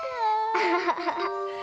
アハハハ。